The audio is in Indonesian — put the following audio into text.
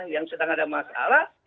yang sedang ada masalah